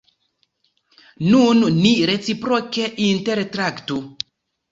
Nun ni reciproke intertraktu!